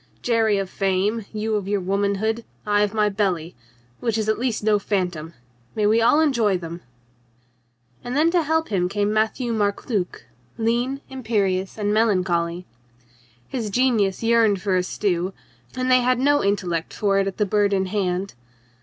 "Jerry of fame, you of your womanhood, I of my belly — which is at least no phantom. May we all enjoy them !" And then to help him came Matthieu Marc Luc, lean, imperious and melancholy. His genius yearned for a stew, and they had no intellect for it at the Bird in Hand.